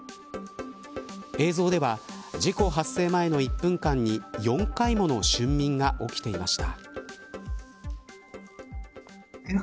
映像では事故発生前の１分間に４回もの瞬眠が起きていました。